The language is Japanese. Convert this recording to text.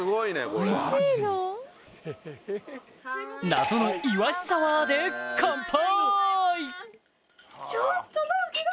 謎のいわしサワーで乾杯！